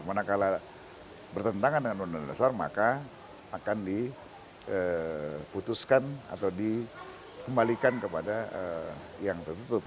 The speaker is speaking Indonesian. manakala bertentangan dengan undang undang dasar maka akan diputuskan atau dikembalikan kepada yang tertutup